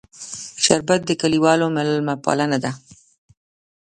شربت د کلیوالو میلمهپالنه ده